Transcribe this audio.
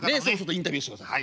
インタビューしてください。